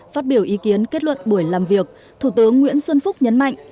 phát biểu ý kiến kết luận buổi làm việc thủ tướng nguyễn xuân phúc nhấn mạnh